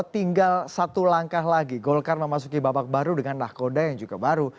tinggal satu langkah lagi golkar memasuki babak baru dengan nahkoda yang juga baru